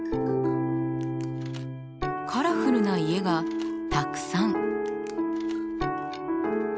カラフルな家がたくさん。